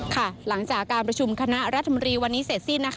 หลังจากการประชุมคณะรัฐมนตรีวันนี้เสร็จสิ้นนะคะ